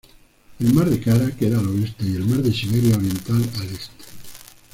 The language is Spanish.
El mar de Kara queda al oeste, el mar de Siberia Oriental al este.